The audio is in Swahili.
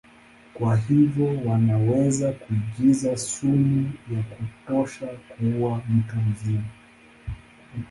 Kwa hivyo wanaweza kuingiza sumu ya kutosha kuua mtu mzima.